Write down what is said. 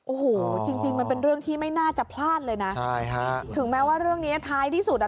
โอ้โหจริงจริงมันเป็นเรื่องที่ไม่น่าจะพลาดเลยนะใช่ฮะถึงแม้ว่าเรื่องเนี้ยท้ายที่สุดอ่ะ